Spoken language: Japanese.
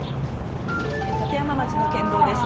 立山町の県道です。